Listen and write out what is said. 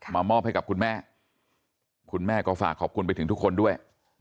มอบให้กับคุณแม่คุณแม่ก็ฝากขอบคุณไปถึงทุกคนด้วย